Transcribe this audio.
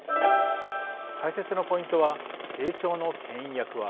解説のポイントは「成長のけん引役は」